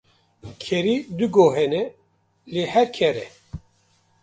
Kerî dû guh hene, lê her kere